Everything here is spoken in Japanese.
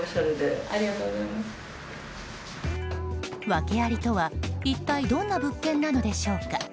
ワケありとは、一体どんな物件なのでしょうか。